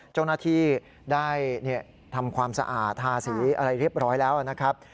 เจ้าหน้าที่ได้ทำความสะอาดทาสีอะไรเรียบร้อยแล้วนะครับ